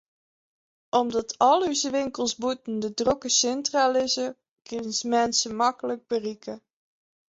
Omdat al ús winkels bûten de drokke sintra lizze, kin men se maklik berikke.